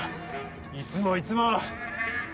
いつもいつも。